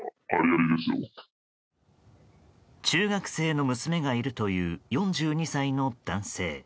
中学生の娘がいるという４２歳の男性。